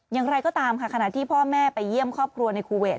อย่างไรก็ตามค่ะขณะที่พ่อแม่ไปเยี่ยมครอบครัวในคูเวท